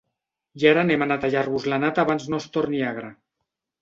I ara anem a netejar-vos la nata abans no es torni agra!